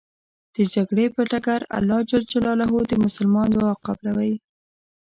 د جګړې په ډګر الله ج د مسلمان دعا قبلوی .